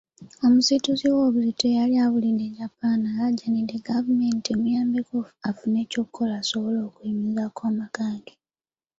Omusituzi w'obuzito eyali abulidde e Japan, alaajanidde gavumenti emuyambeko afune ekyokukola asobole okuyimirizaawo amaka ge.